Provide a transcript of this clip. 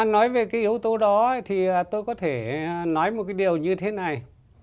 nói về cái yếu tố đó thì tôi có thể nói một cái điều như thế này